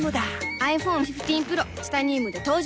ｉＰｈｏｎｅ１５Ｐｒｏ チタニウムで登場